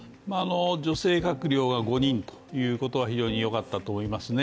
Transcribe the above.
女性閣僚が５人ということは非常によかったと思いますね。